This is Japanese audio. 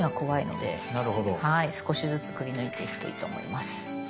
少しずつくりぬいていくといいと思います。